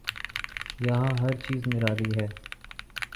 یہاں ہر چیز نرالی ہے۔